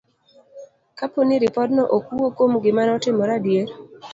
Kapo ni ripodno ok wuo kuom gima notimore adier,